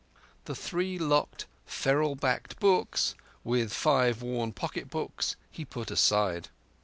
The three locked ferril backed books, with five worn pocket books, he put aside.